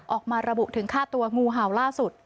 ออกมาระบุถึงฆ่าตัวงูเห่าล่าสุด